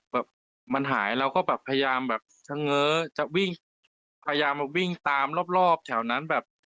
แบบมันหายเราก็แบบพยายามแบบเฉง้อจะวิ่งพยายามมาวิ่งตามรอบแถวนั้นแบบ